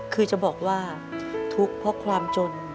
คือจะบอกว่าทุกข์เพราะความจน